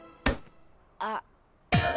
あっ。